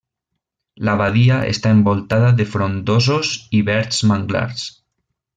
La badia està envoltada de frondosos i verds manglars.